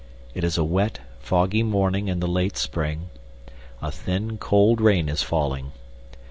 It is a wet, foggy morning in the late spring; a thin, cold rain is falling.